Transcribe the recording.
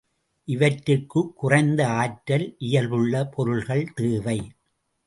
இவற்றிற்குக் குறைந்த ஆற்றல் இயல்புள்ள பொருள்கள் தேவை.